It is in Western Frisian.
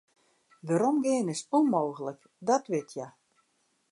Weromgean is ûnmooglik, dat wit hja.